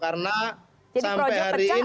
karena sampai hari ini